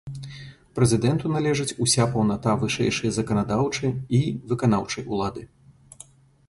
Прэзідэнту належыць уся паўната вышэйшай заканадаўчай і выканаўчай улады.